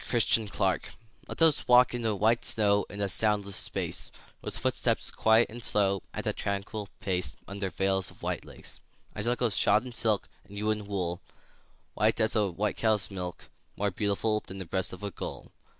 VELVET SHOES Let us walk in the white snow In a soundless space; With footsteps quiet and slow, At a tranquil pace, Under veils of white lace. I shall go shod in silk, And you in wool, White as a white cow's milk, More beautiful Than the breast of a gull.